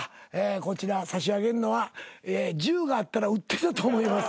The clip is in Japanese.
こちら差し上げるのは銃があったら撃ってたと思います。